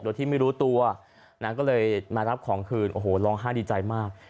โดยที่ไม่รู้ตัวนะก็เลยมารับของคืนโอ้โหร้องไห้ดีใจมาก